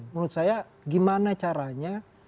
menurut saya gimana caranya